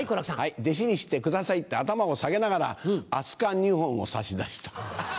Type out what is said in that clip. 「弟子にしてください」って頭を下げながら熱燗２本を差し出した。